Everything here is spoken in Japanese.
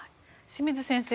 清水先生